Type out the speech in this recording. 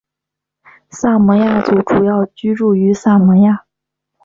萨摩亚族主要居住于萨摩亚。